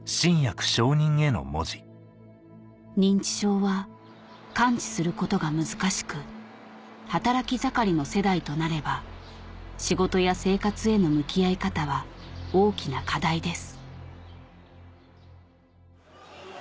認知症は完治することが難しく働き盛りの世代となれば仕事や生活への向き合い方は大きな課題です